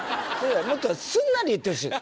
もっとすんなり言ってほしい。